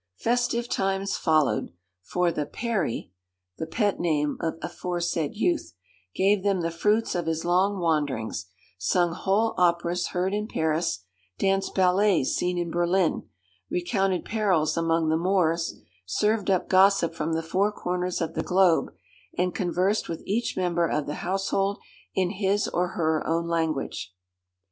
Festive times followed, for the 'Peri' (the pet name of aforesaid youth) gave them the fruits of his long wanderings, sung whole operas heard in Paris, danced ballets seen in Berlin, recounted perils among the Moors, served up gossip from the four corners of the globe, and conversed with each member of the household in his or her own language.